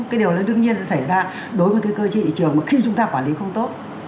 cái điều lớn đương nhiên xảy ra đối với cái cơ chế thị trường mà khi chúng ta quản lý không tốt